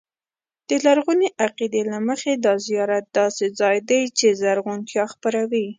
د لرغوني عقیدې له مخې دا زیارت داسې ځای دی چې زرغونتیا خپروي.